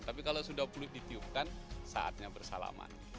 tapi kalau sudah pulih ditiupkan saatnya berakhir